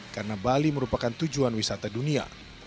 karena bali merupakan tujuan wisata dunia